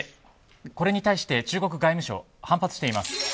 これに対して中国外務省は反発しています。